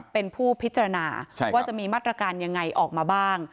เป็นผู้พิจารณาว่าจะมีมาตรการยังไงออกมาบ้าง